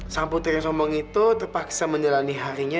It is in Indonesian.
sang putri yang sombong itu terpaksa menjalani harinya